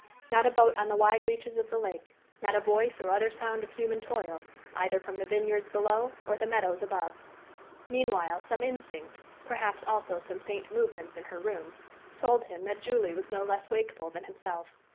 Not a boat on the wide reaches of the lake; not a voice or other sound of human toil, either from the vineyards below or the meadows above. Meanwhile some instinct, perhaps also some faint movements in her room, told him that Julie was no less wakeful than himself.